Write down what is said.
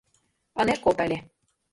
— Ынеж колто ыле.